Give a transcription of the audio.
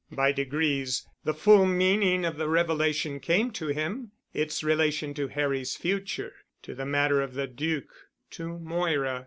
By degrees, the full meaning of the revelation came to him—its relation to Harry's future, to the matter of the Duc, to Moira.